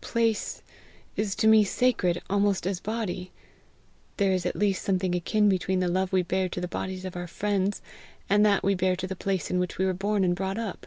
Place is to me sacred almost as body. There is at least something akin between the love we bear to the bodies of our friends, and that we bear to the place in which we were born and brought up."